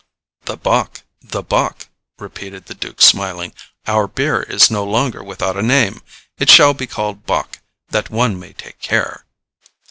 "The bock, the bock," repeated the duke smiling. "Our beer is no longer without a name. It shall be called bock, that one may take care."